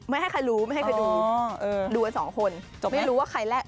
ไม่ให้ใครรู้ไม่ให้ใครดูอ๋อเออดูกันสองคนจบแล้วไม่รู้ว่าใครแลก